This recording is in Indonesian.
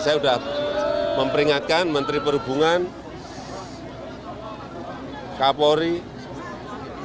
saya sudah memperingatkan menteri perhubungan kapolri menteri bumn yang menyangkut